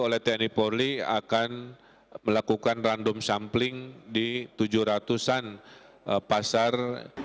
oleh tni polri akan melakukan random sampling di tujuh ratus an pasar